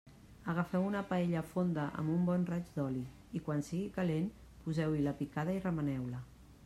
Agafeu una paella fonda amb un bon raig d'oli i, quan sigui calent, poseu-hi la picada i remeneu-la.